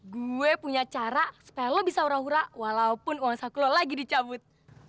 gue punya cara spel lo bisa hura hura walaupun uang saku lo lagi dicabut